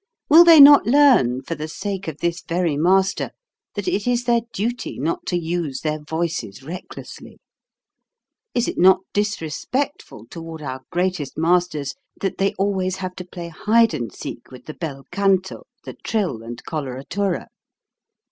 Will they not learn, for the sake of this very master, that it is their duty not to use their voices recklessly ? Is it not disrespectful toward our greatest masters that they always have to play hide and seek with the bel canto, the trill, and coloratura?